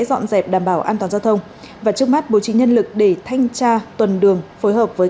dọn dẹp đảm bảo an toàn giao thông và trước mắt bố trí nhân lực để thanh tra tuần đường phối hợp với